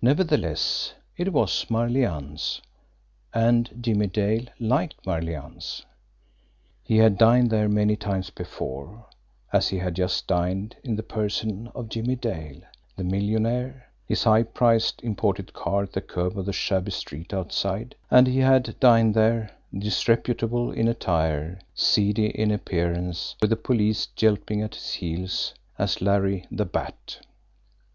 Nevertheless, it was Marlianne's and Jimmie Dale liked Marlianne's. He had dined there many times before, as he had just dined in the person of Jimmie Dale, the millionaire, his high priced imported car at the curb of the shabby street outside and he had dined there, disreputable in attire, seedy in appearance, with the police yelping at his heels, as Larry the Bat.